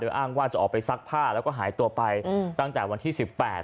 อ้างว่าจะออกไปซักผ้าแล้วก็หายตัวไปอืมตั้งแต่วันที่สิบแปด